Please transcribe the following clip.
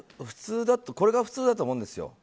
これが普通だと思うんですよ。